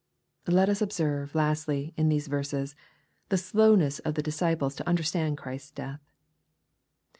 Let us observe, lastly, in these verses, the sloumess of the disciples to understand Christ's death.